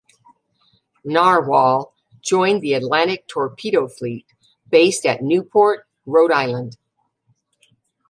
"Narwhal" joined the Atlantic Torpedo Fleet, based at Newport, Rhode Island.